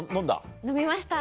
飲みました。